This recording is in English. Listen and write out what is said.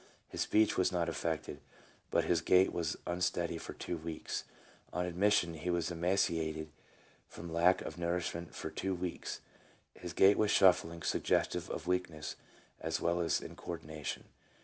His speech was not affected, but his gait was unsteady for two weeks. On admission he was emaciated from lack of nourishment for two weeks. His gait was shuffling, suggestive of weak ness, as well as incoordination.